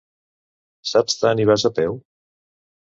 Saps tant i vas a peu?